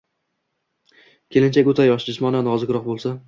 Kelinchak o‘ta yosh, jismonan nozikroq bo‘lsa